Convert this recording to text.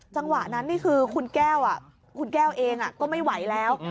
จังหวะนั้นคุณแก้วเองก็ไม่ไหวแล้ว